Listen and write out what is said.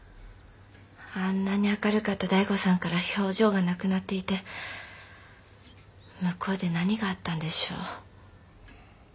あんなに明るかった醍醐さんから表情がなくなっていて向こうで何があったんでしょう。